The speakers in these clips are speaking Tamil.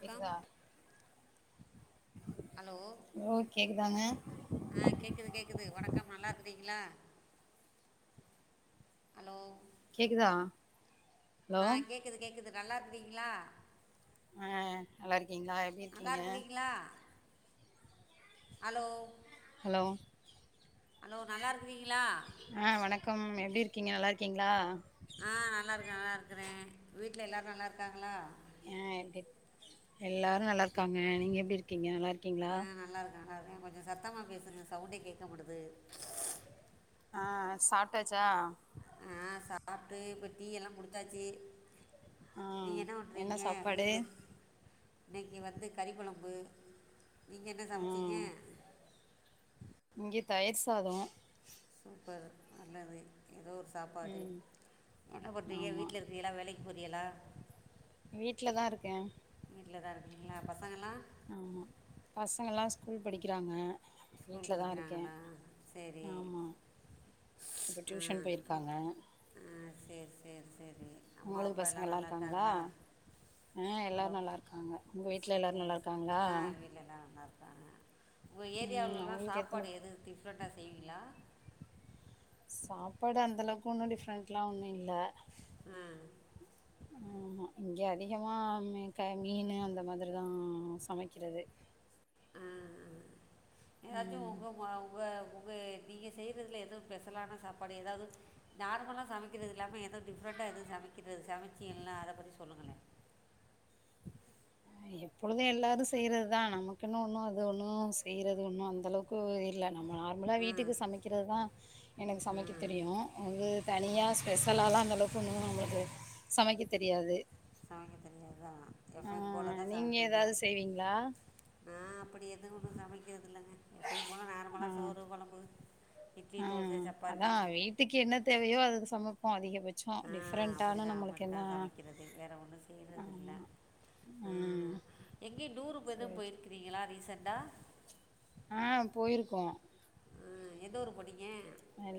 வணக்கம் கேக்குதா ஹலோ ஓ கேக்குதாங்க ஆ கேக்குது கேக்குது வணக்கம் நல்லா இருக்குறீங்களா ஹலோ கேக்குதா ஹலோ கேக்குது கேக்குது நல்லா இருக்கீங்களா ஆ நல்லா இருக்கீங்களா எப்டி நல்லா இருக்கீங்க இருக்குறீங்களா ஹலோ ஹலோ ஹலோ நல்லா இருக்கிறீங்களா ஆ வணக்கம் எப்டி இருக்கீங்க நல்லா இருக்கீங்களா ஆ நல்லாருக்க நல்லா இருக்கிற வீட்ல எல்லாரும் நல்லா இருக்காங்களா எ எப்டி எல்லாரும் நல்லா இருக்காங்க நீங்க எப்டி இருக்கீங்க நல்லா இருக்கீங்களா நா நல்லாருக்க கொஞ்சோ சத்தமாக பேசுங்க சவுண்டே கேட்க மாட்டுது ஆ சாப்ட்டாச்சா ஆ சாப்ட்டு இப்ப டீ எல்லாம் குடிச்சாச்சு ஆ நீங்க என்ன பண்றீங்க வீட்ல இன்னைக்கி வந்து கறி குழம்பு நீங்க என்ன ஆ சமச்சீங்க இங்க தயிர் சாதோ சூப்பர் நல்லதே ஏதோ ஒரு சாப்பாடு ம் என்ன பண்றீங்க ஆமா வீட்ல இருக் கிங்கலா வேலைக்கு போரியலா வீட்லதான் இருக்கேன் வீட்ல தான் இருக்கிங்களா பசங்களா ஆமாம பசங்கள்லாம் ஸ்கூல் படிக்கிறாங்க ஸ்கூல் வீட்ல தான் இருக்கே படிக்கிறாங்களா சரி ஆமா இப்போ ஆ டியூஷன் போய்ருக்காங்க ஆ சேர் சேர் சேரி உங்களுக்கு பசங்கல்லா இருக்காங்களா ஆ ஹலோ எல்லாரும் நல்லா இருக்காங்க உங்க வீட்ல எல்லாரும் நல்லா இருக்காங்களா எல்லா நல்லா இருக்காங்க உங்க ம் ஏரியாவில்லலாம் அவங்களுக்கு எத்தன சாப்பாடு எதும் டிஃப்ரெண்ட்டா செய்வீங்களா சாப்பாடு அந்த அளவுக்கு ஒன்னு டிஃப்ரெண்ட்லாம் ஒண்ணும் இல்ல அ ஆமா இங்க அதிகமா மீ க மீன்னு அந்த மாதிரி தா சமைக்கிறது ஆ ஏதாச்சும் ம் உங்க ம உங்க உங்க எ நீங்க செய்றதுல எது ஸ்பெஷலான சாப்பாடு எதாது நார்மலா சமைக்கிறது இல்லாம எதோ டிஃப்ரெண்டா எதும் சமைக்கிறது சமைச்சிங்கன்னா அத பத்தி சொல்லுங்களேன் எப்பொழுதும் எல்லாரும் செய்யறது தான் நமக்கு என்னு ஒண்ணும் அது ஒண்ணும் செய்றது ஒண்ணும் அந்த அளவுக்கு இல்ல நம்ம ஆ நம்மளா ம் வீட்டுக்கு சமைக்கிறதுதான் எனக்கு சமைக்க ம் தெரியு அது தனியா ஸ்பெஷலாலா அந்தளவுக்கு இன்னும் நம்மளுக்கு சமைக்க தெரியாது சமைக்க தெரியாதுதா ஆ எப்பயு போல தான் நீங்க சமைப்பீங்க ஏதாவது செய்வீங்களா நா அப்டே எது ஒன்னும் சமைக்கிறதில்லங்க எப்பயும் போல ஆ நார்மலா சோறு குழம்பு இட்லி தோச சப்பாத்தி த்தைக்கு என்ன தேவையோ அதுக்கு சமைப்போம் அதிகபட் ஆ அப்படிதா அப்படித்தா சமைக்கிறது வேற ஒண்ணு செய்றது இல்ல ஆமா ஆ ம் எங்கேயும் டூரு எதும் சேரி போயிருக்கிறீங்களா ரீசெண்டா ஆ போயிருக்கோ ஆ எந்த ஊரு போனீங்க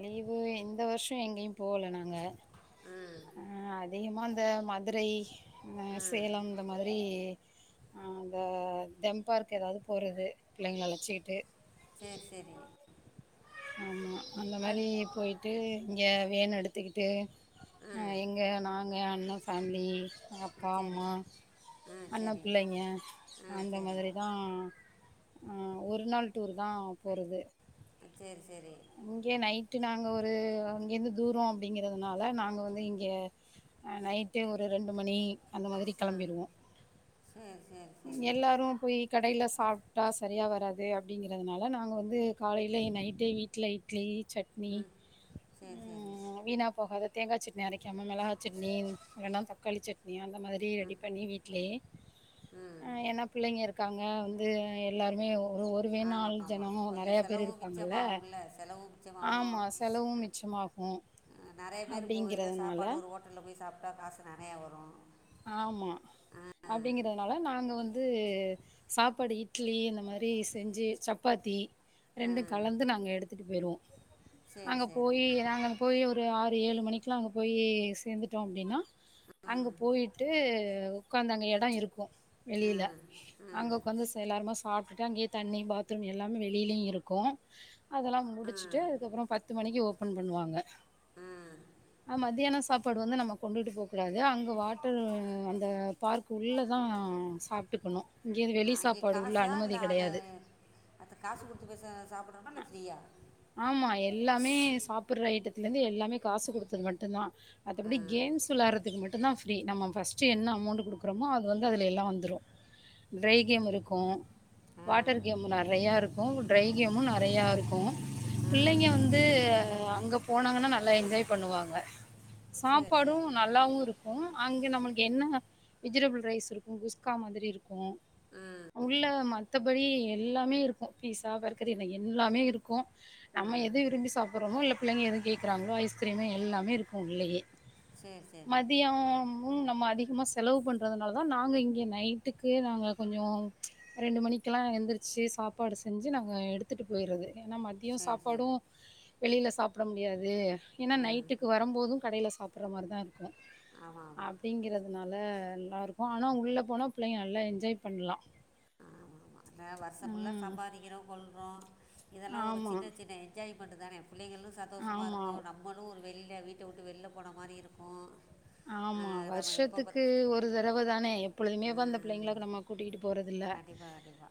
லீவு இந்த வருஷம் எங்கேயு போகல நாங்க ஆ அ அதிகமா இந்த மதுரை அ சேலம் அந்த மாதிரி ஆ அந்த தெம்பார்க் ஏதாவது போறது பிள்ளைங்கள அழச்சிக்கிட்டு சேரி சேரி ஆமா அந்த மாரி போயிட்டு இங்க வேன் எடுத்துக்கிட்டு ஆ இங்க நாங்க அண்ண ஃபேமிலி அப்பா சரி அம்மா ஆ அண்ண சரி பிள்ளைங்க ஆ அந்த சரி மாதிரிதா ஆ ஒரு நாள் டூர் தா போறது சேரி சேரி இங்க நைட்டு நாங்க ஒரு இங்கேருந்து தூரம் அப்டிங்கிறதுனால நாங்க வந்து இங்க ஆ நைட்டு ஒரு ரெண்டு மணி அந்த மாதிரி கிளம்பிடுவோ உம் உம் எல்லாரும் போய் கடையில சாப்ட்டா சரியா வராதே அப்டிங்கிறதுனால நாங்க வந்து காலையில நைட்டே வீட்ல இட்லி சட் னி ம் சரி சரி உம் வீணா போகாத தேங்கா சட்னி அரைக்காம மிளகா சட்னி இல்லன்னா தக்காளி சட்னி அந்த மாதிரி ரெடி பண்ணி வீட்லயே உம் அ ஏன்னா பிள்ளைங்க இருக்காங்க வந்து எல்லாருமே ஒரு ஒரு வே ஆமாம் நாள் ஆமாம் ஜனமும் கொஞ்சம் நிறைய பேர் செலவு இருப்பாங்கல்ல மிச்சமாகும்ல செலவு மிச்சமாகும் ஆமா செலவும் மிச்சமா உம் அ நெறய பேர் போகையில சாப்பாடு ஒரு ஹோட்டல போய் சாப்ட்டா காசு நெறயா வரும் ஆமா ஆ அப்டிங்கிறதுனால நாங்க வந்து சாப்பாடு இட்லி இந்த மாதிரி செஞ்சு சப்பாத்தி ரெண்டும் ம் கலந்து நாங்க எடுத்துட்டு போயிருவோ சரி அங்க சரி போய் நாங்க போய் ஒரு ஆறு ஏழு மணிக்கெல்லா அங்க போய் சேர்ந்துட்டோ அப்டின்னா அங்க ம் போயிட்டு உக்காந்து அங்க இடம் இருக்கும் வெளியில ம் அங்க ம் உக்காந்து எல்லாருமே சாப்ட்டுட்டு அங்கேயே தண்ணி பாத்ரூம் எல்லாமே வெளியிலயே இருக்கும் அதெல்லா முடிச்சுட்டு ம் அதுக்கப்புறம் பத்து மணிக்கு ஓபன் பண்ணுவாங்க ம் ஆ மத்தியானம் சாப்பாடு வந்து நம்ம கொண்டுட்டு போ கூடாது அங்க வா ட்டு அந்த பார்க் உள்ள தா ஆ சாப்ட்டுக்கணு இங்கே வெளி அங்கே சாப்பாடு உள்ள அனுமதி கிடையாது அப்ப காசு குடுத்து போய் சாப்டனுமா இல்ல ஃப்ரீயா ஆமா எல்லாமே சாப்டுற ஐட்டத்துல இருந்து எல்லாமே காசு குடுத்தது மட்டும் தா ஆ மத்தபடி கேம்ஸ் விளாடுறதுக்கு மட்டும் தா ஃப்ரீ நம்ம ஃபர்ஸ்ட் ட்டு என்ன அமௌண்ட் குடுக்குறோமோ அது வந்து அதுல எல்லா வந்துரும் ட்ரை கேம் இருக்கும் வாட்டர் கேம் நிறைய இருக்கும் ட்ரை கேமு நிறைய இருக்கும் பிள்ளைங்க வந்து அங்க போனாங்கன்னா நல்லா என்ஜாய் பண்ணுவாங்க சரி சரி சாப்பாடும் நல்லாவு இருக் கும் அங்க சரி நம்மளுக்கு என்ன வெஜிடபிள் ரைஸ் இருக்கும் குஸ்கா மாதிரி இருக்கும் ம் உள்ள மத்த படி எல்லாமே இருக்கும் பீஸா பர்க்கரூ இந்த எல்லாமே இருக்கும் ஆ நம்ம எத விரம்பி சாப்புட்றமோ இல்ல பிள்ளைங்க எது கேட்கிறாங்களோ ஐஸ்கிரீமு எல்லாமே இருக்கு உள்ளயே சரி சரி மதியோம் ம் நம்ம அதிகமா செலவு பண்றதுனால தா நாங்க இங்க நைட்டுக்கு நாங்க கொஞ்சோ ரெண்டு மணிக்கெல்லா எந்திரிச்சு சாப்பாடு செஞ்சு நாங்க எடுத்துட்டு போயிறது ஏன்னா ம த்தியோ சரி சாப்பாடு சரி வெளில சாப்ட முடியாது ஏன்னா நைட்டுக்கு ஆ வரம்போது கடையில சாப் வர மாரிதா இருக்கு ஆமாம் ஆமாம் அப்படிங்கறது அதுனால நல்லா இருக்கு ஆனா உள்ள போனா பிள்ளைங்க நல்லா என்ஜாய் பண்லா அ வர்ஷ ஃபுள்ளா ம் சம்பாதிக்கிறோ கொள்றோ இதெல்லா ஒரு ஆமா சின்ன சின் என்ஜாய்மெண்டு தானே பிள்ளைகளு சந்தோஷமா ஆமா இருக்கு நம் மளு ஒரு வெளியில வீட்ட விட்டு வெளியில போன மாரி இருக்கு ஆமா வர்ஷத்துக்கு ஒரு தடவ தானே எப்பொழுதுமேவா இந்த பிள்ளைங்களா நம்ம கூட்டிட்டு கண்டிப்பா கண்டிப்பா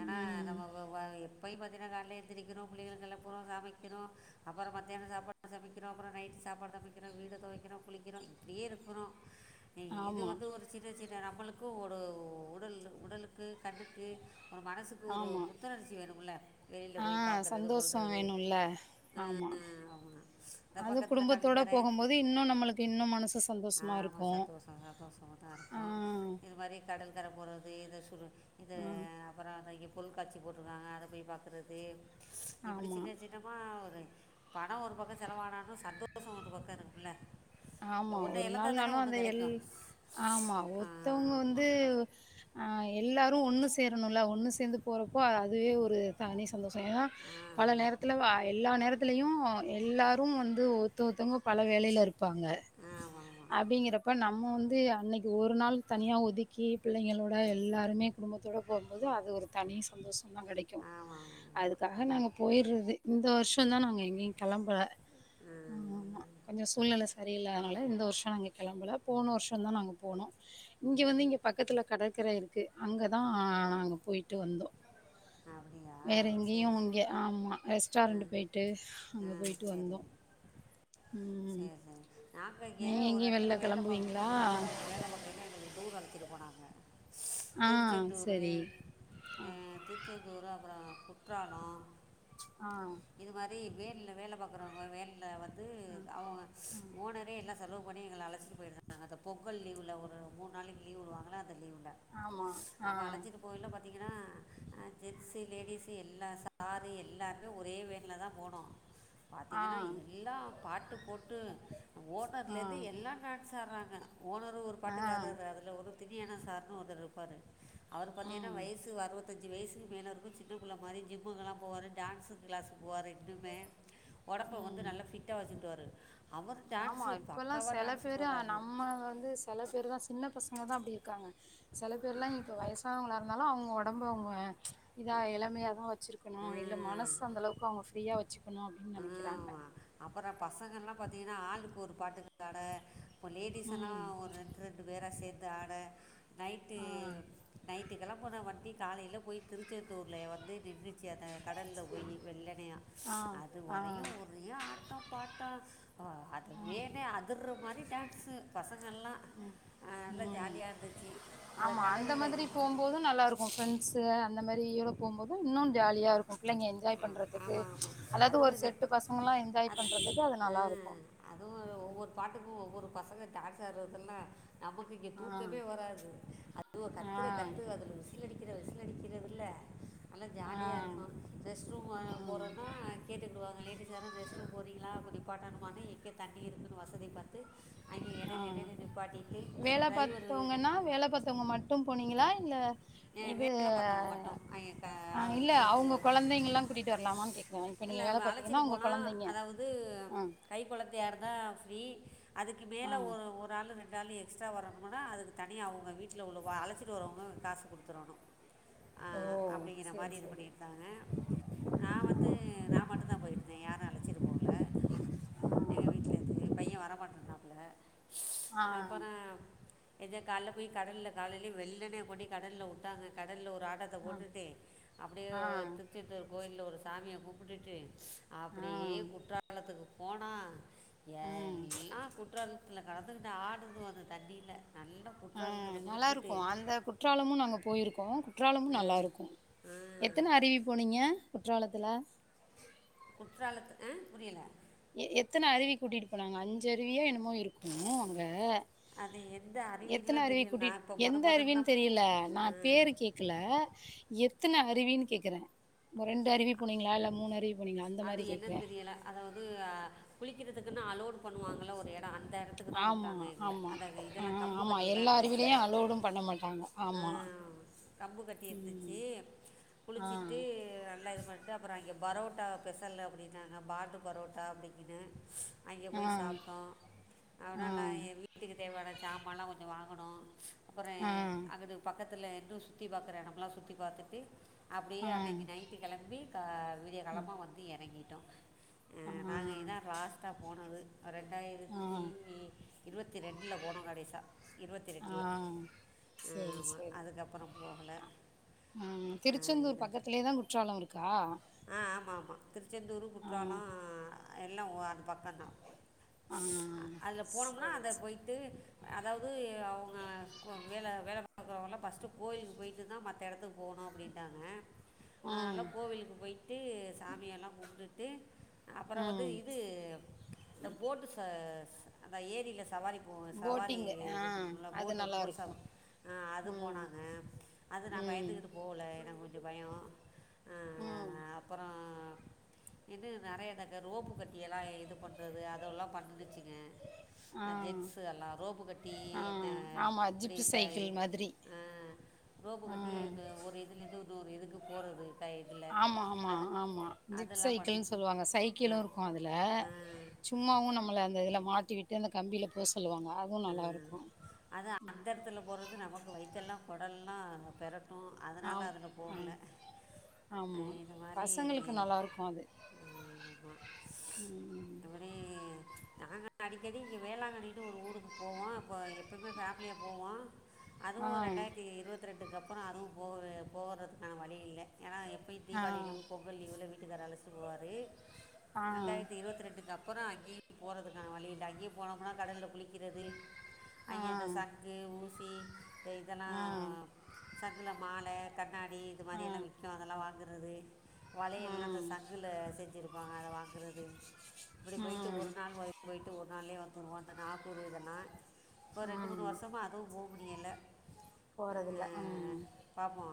ஏன்னா ம் நம்ம வ ப்ப எப்பயு பார்த்தீங்கனா கால்ல எந்திரிக்கரோ புள்ளைங்களக கெளப்பரோ சமைக்கணு அப்றோ மத்தியானோ சாப்பாடு சமைக்கிறோ அப்றோ நைட்டு் சாப்பாடு சமைக்கிறோ வீட தொடைக்கிறோ குளிக்கிறோ இப்டியே இருக்குறோ இ இது ஆமா வந்து ஒரு சின்ன சின்ன நம்மளுக்கு ஒரு உடல் உடலுக்கு கண்ணுக்கு ஒரு மனசுக் ஒரு ஆமா புத்துணர்ச்சி வேணும்ல வெளியில் ஆ போய் பாக்கறது சந்தோஷோ கொள்றது வேணுல்ல அ ஆமா அ ஆமா த அது பக்கத்தில கடல் குடும்பத்தோட கற போகும்போது இன்னு நம்மளுக்கு இன்னு மனசு சந்தோஷமா ஆமா இருக்கு சந்தோஷந்தா சந்தோஷமா தா ஆ இருக்கு இது மாரி கடல் கர போறது இதை சுடு இது ஆ அப்புற அத பொருள்காட்சி போட்ருக்காங்க அத போய் பாக்குறது இப்டி ஆமா சின்ன சின்ன மா ஒரு பணோ ஒரு பக்கோ செலவானாலு சந்தோஷோ ஒரு பக்கோ இருக்குல்ல ஆமா ஒன்று ஒரு இழந்தால் தானே நாள்னாலு அந்த ஒன்று எல் கிடைக்கும் ஆமா ஒருத்தவங்க வந்து ஆமாம் ஆ எல்லாரு ஒண்ணு சேரணுல்ல ஒண்ணு சே ந்து போறப்போ அதுவே ஒரு தனி சந்தோஷோ ஏன்னா ஆ பல ஆமாம் நேரத் இல்ல வா எல்லா நேரத்துலயு எல்லாரு வந்து ஒருத்த ஒருத்தவங்க பல வேலயில இருப்பாங்க ஆமா அப்படிங்கறப்ப நம்ம வந்து அன்னிக்கு ஒரு நாள் தனியா ஒதுக் க்கி பிள்ளைங்களோட எல்லாருமே குடும்பத்தோட போவும்போது அது ஒரு தனி சந்தோஷோ கெடைக்கு ஆமாம் ஆமாம் அதுக்காக நாங்க கண்டிப்பாக போயிட்றது இந்த வர்ஷோந்தா நாங்க எங்கேயு கெளம்பல ஆமா கொஞ்சோ சூழ்நெல செரியில்ல அதனால இந்த வர்ஷோ நாங்க கெளம்பல போன வர்ஷோதா நாங்க போனோ இங்க வந்து இங்க பக்கத்துல கடற்கரை இருக்கு அங்கதா நாங்க போயிட்டு வந்தோ அப்படியா வேற எங்கேயு சரி இங்க ஆமா ஆ ரெஸ்டாரண்டு போயிட்டு அங்க ஆ போயிட்டு வந்தோ செரி செரி நாங்க இங்க நீங்க ஒரு எங்கேயும் எடத்துல வெளில வேல பாக்குறோ கிளம்புவீங்களா சூப்பர் மார்க்கெட்ல வேல பாக் எல்லா எங்கள டூர் அழச்சிட்டு போனாங்க ஆ திருச்செந்தூரு சரி அ திருச்செந்தூரு அப்பறோ குற்றாலோ ஆ இது மாரி வேல்ல வேல பாக்குறவங்க வேல்ல வந்து ஆ அவுங்க ஓ ஓனரே எல்லா செலவு உடனே எங்கள அழச்சிட்டு போயிருந்தாங்க அந்த பொங்கல் லீவில ஒரு மூணு நாளைக்கு லீ்வு விடுவாங்கள அந்த லீவுல ஆமா ஆ ஆ இப்போ எல்லா பாத்தீங்கனா ஜென்ஸ்ஸு லேடிஸு எல்லா சாரு எல்லாருமே ஒரே வேன்லதா போனோ ஆ பாத்திங்கன்னா எல்லாம் பாட்டு போட்டு ஓனர்ல ஆ இருந்து எல்லா டான்ஸ் ஆடுறாங்க ஓனரும் ஒரு ஆ பாட்டுக்கு ஆடுறாரு அது நல்ல ஒரு திணியான சார்னு ஒருத்தர் இருப்பாரு அவர் பாத்தீங்கன்னா ம் வயசு அறுவத்தஞ்சு வயசுக்கு மேல இருக்கு சின்னப்புள்ள மாரி ஜிம்முக்குல்லா போவாரு டான்ஸு கிளாஸுக்கு போவாரு இன்னுமே உடம்ப வந்து ம் நல்லா ஃபிட்டா வச்சுக்குவாரு ஆமா இப்பல்லா செல பேரு போடுறாங்க நம்ம வந்து செல பேரு தா செல சின்ன பசங்கதா அப்டி இருக்காங்க சில பேர்லா இப்ப வயசானவங்களா இருந்தாலு அவுங்க உடம்பு அவுங்க இதா எளமையா தா வச்சிருக்கணு இல்ல ம். மனசு அந்தளவுக்கு அவுங்க ஃப்ரீயா வச்சுக்கணு அப்டின் நினைக்கிறாங்க அப்புற பசங்கள்லா பாத்திங்கன்னா ஆளுக்கு ஒரு பாட்டுக்கு ஆட லேடீஸ் எல்லா ம் ஒரு ரெண்டு பேரா சேர்ந்து ஆட நைட்டு ஆ நைட் விடியற்காலையில போனா வண்டி காலையில போயி திருச்செந்தூர்ல வந்து நின்னுச் சி அத கடல்ல போயி வெள்ளனையா ஆ ஆ அதுவரையு ஒரு நிறைய ஆட்டம் பாட்டோ அது வேனே அதிர்ற மாரி டான்ஸு பசங்கள்லா உம் ஆமா அப்புறம் அந்த மாதிரி கடலில் போகும் போது நல்லா இருக்கு ஃப்ரெண்ட்ஸு அந்த மாதிரி இருக் போகும்போது இன்னு ஜாலியா இருக்கு புள்ளைங்க என்ஜாய் பண்ணுறதுக்கு ஆமாம் ஆமாம் அதாவது ஒரு அதிலும் இந்த செட்டு பசங்கள்லா என்ஜாய் பண்றதுக்கு அது நல்லாருக்கு அதுவு ஒவ்வொரு பாட்டுக்கும் ஒவ்வொரு பசங்க டான்ஸ் ஆட்றதெல்லா நமக்கு இங்க ஆ தூக்கமே வராது அதுவ கத்துற ஆ கத்து அதுல விசி விசில் அடிக்கிற விசில் அடிக்கிறதுல நல்ல ஜாலியா ஆ இருக்கு ரெஸ்ட் ஆ ரூமுக் போறோன்னா கேட்டுகிடுவாங்க லேடீஸ் யாரு ரெஸ்ட ரூம் போரீங்களா நிப்பாட்டனுமானு எங்க தண்ணி இருக்குன்னு வசதி பாத்து அங்க ஆ எடையில எடையில நிப்பாட்டிட்டு வேல டிரைவரு பாத்தவங்கன்னா வேல பாத்தவங்க மட் டும் போனீங்களா இல்ல ஏ இது வேல பாத்தவுங்க மட்டு அங்க ஆ இல்ல இதுல அவங்க கொழந்தைங்கல்லா கூட்டிட்டு வரலாமான்னு கேக்குறே இப்ப நீங்க இல்ல வேல அழச்சிட்டு பாத்தீங்கன்னா உங்க போலா கொழந்தைங்க அதாவது ஆ கைக்குழந்தையா இருந்தா ஃப்ரீ அதுக்கு ஆ மேல ஒரு ஒரு ஆளு ரெ ண்டுநாளு எக்ஸ்ட்ரா வரணும்னா அதுக்கு தனியா அவுங்க வீட்ல உள்ளவ அழச்சிட்டுவரவுங்க காசு கொடுத்துடணு ஆ ஓ அப்டிங்கிற சேரி மாரி இது சேரி பண்ணிருந்தாங்க நா வந்து நா மட்டு தா போயிருந்தே யாரு அழச்சிட்டு போகல எங்க வீட்லருந்து பையன் வர மாட்டேனாப்ள ஆ அப்புற எத கால்ல போயி கடல்ல காலைலேயே வெள்ளனே கொண்டி கடல்ல போட்டாங்க கடல்ல ஒரு ஆட்டத்த ஆ போட்டுட்டே அப்டியே ஆ திருச்செத்தூர் கோயில்ல ஒரு சாமிய கும்புடுட்டு ஆ ஆ அப்டியே குற்றாலத்துக்கு போனா எல்லா குற்றாலத்துல கெடந்துக்கிட்டு ஆடுதுக அந்த தண்ணியில நல்ல ஆ நல்லாருக்கு அந்த கு ற்றாலமு நாங்க போயிருக்கோ குற்றாலமு ஆ, நல்லாருக்கு ஆ, எத்தன அருவி போனீங்க குற்றாலத்துல குற்றாலத்துக்கு ஆ புரியல எத்தன அருவி கூட்டிட்டு போனாங்க அஞ்சு அருவியோ என்னமோ இருக்கு அங்க அது எந்த எத்தன அருவின்லாம் அருவி தெரியல கூட்டிட் நான் இப்போ முத எந்த முதன் அருவின்னு தான் தெரியல நா ஆ, பேரு கேக் கல எத்தன அருவின் கேக்குற ஒரு ரெண்டு அருவி போனீங்களா இல்ல மூணு அருவி போனீங்களா அந்த அது மாரி கேக்குறே என்னன்னு தெரியலை அதாவது குளிக்கிறதுக்குன் அலோடு பண்ணுவாங்கள ஒரு இடம் அந்த இடத் த்துக்குதா ஆமா உட்டாங்க எங்கள ஆமா அத ஆ இதெல்லா கம்பு ஆமா கட்டி எல்லா இருந்துச்சு அருவிலயு அலோடும் பண்ண மாட்டாங்க அ ஆமா கம்பு கட்டி ம் இருந்துச்சி ஆ குளிச்சிட்டு எ எல்லா இது பண்ட்டு அப்பறோ அங்கே பரோட்டா ஸ்பெஷல்லு அப்டின்னாங்க பார்த்து பரோட்டா அப்டிஇப்டின்னு அங்கே போய் ஆ சாப்ட்டோம் ஆ ஆ அதனால எ வீ வீட்டுக்கு தேவையான ஜாமாலா கொஞ்சோ வாங்கணு அப்பறே அங்குட்டு பக்கத்துல இன்னு சுத்தி பாக்குற எடம்லா சுத்தி பாத்துட்டு அப்டியே ஆ அன்னிக்கு நைட் டு கெளம்பி விடிய காலம்மா வந்து எறங்கிட்டோ அ ஆ நாங்க இதா லாஸ்ட்டா போனது ஆ ரெண்டாயிரத்தி இருவத்தி ரெண்டுல போனோ கடைசா இருவத்தி ஆ ரெண்டுல அ சேரி ஆமா சேரி அதுக்கப்பறோ போகல ஆ திருச்செந்தூர் பக்கத்திலேதா குற்றால இருக்கா ஆ ஆமா ஆமா திருச்செந்தூரு ஆ குற்றாளோ எல்லா அந்த பக்கந்தா ஆ அதுல போனம்னா சேரி அத சேரி போய் வந்து அதாவது அவுங்க கொ வேல வேல பாக்குறவல்லா பஸ்ட்டு கோய்லுக்கு போய்ட்டுதா மத்த எடத்துகு போணும் அப்டின்ட்டாங்க அதனால ம் கோவிலுக்கு போய்ட்டு சாமியெல்லா கும்டுட்டு அப்பறோ வந்து ம் இது இந்த போட்டு ச அந்த ஏரில சவாரி ஓ‌ சவாரி போட்டிங்கு ஆ இது பண்ணும்ல அது போட்டு போட் நல்லாருக்கு சாப் அ அது ம் போனாங்க அது நா ம் பயந்துக்கிட்டு போல ஏனா கொஞ்சோ பயோ அ ம் அப்பறோ இன்னு நறையா எடம் இருக்கு ரோப்பு கட்டி எல்லா இது பண்றது அதெல்லா பண்ணுச்சிங்க ஆ அ‌ ஜென்சு அல்லாரும் ரோப்பு கட்டி ஆ அ ஆமா இப்டி ஜிப்பு த சைக்கிள் மாதிரி அ ரோப்பு ஆ கட்டி இது ஒரு இதுலேர்ந்து இன்னொரு இதுக்கு போறது ஆமா ஆமா அ ஆமா ஜிப் அதெல்லாம் சைக்கிள்னு பண்ணுச்சு சொல்லுவாங்க சைக்கிளு ஆ இருக்கு அதுல ஆ சும்மாவு நம்மள அந்த இதுல மாட்டிவிட்டு அந்த கம்பில போ சொல்லுவாங்க அதுவு நல்லாருக்கு அதா அந்தரத்துல போறது நமக்கு வைத்தெல்லா குடல்லா பெரட்டு அதனால ஆம் அதுல ஆ போகல ஆமா பசங்களுக்கு நல்லாருக்கு அது ம் மத்தபடி நாங்க அடிக்கடி இங்கே வேளாங்கண்ணினு ஒரு ஊருக்கு போவோ அப்போ எப்பமே பேமிலியா போவோ அதுவு ஆ ரெண்டாயிர்த்தி இருவத்து ரெண்டுக்கு அப்பறோ அதுவு போற போறதுக்கான வழி இல்ல ஏன்னா எ இத் தீபாளி லீவு ஆ பொங்கல் லீவுல வீட்டுக்கார் அழச்ட்டு போவாரே ரெண்டாயர்த்தி இருவத்து ரெண்டுக்கு அப்பறோ எங்கேயு போறதுக்கான வழி இல்ல அங்கயு போனம்னா கடல்ல குளிக் கிறது ஆ அங்கே இந்த சங்கு ஊசி இந்த இதல்லா ஆ ஆ சங்குல மால கண்ணாடி இது மாரியெல்லா ம் விக்கு அதல்லா வாங்குறது வளையல்லா அந்த ம் சங்குல செஞ்சிருப்பாங்க அத வாங்குறது இப்டி போய்ட்டு ம் ஒரு நாள் போய் போய்ட்டு ஒரு நாள்லே வந்துருவோ அந்த நாகூர் இதெல்லா இப்ப ரெண்டு மூணு ம் வர்சமா அதுவு போ முடியல போறதில்ல ம் பாப்போ